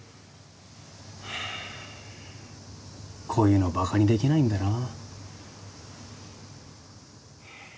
こういうのバカにできないんだな。